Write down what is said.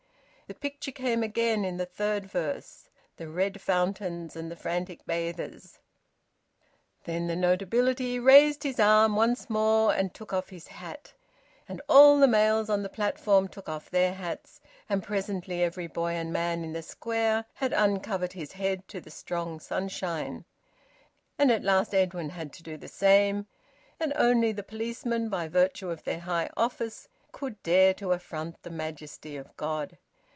The picture came again in the third verse, the red fountains and the frantic bathers. Then the notability raised his arm once more, and took off his hat, and all the males on the platform took off their hats, and presently every boy and man in the Square had uncovered his head to the strong sunshine; and at last Edwin had to do the same, and only the policemen, by virtue of their high office, could dare to affront the majesty of God.